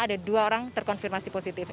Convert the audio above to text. ada dua orang terkonfirmasi positif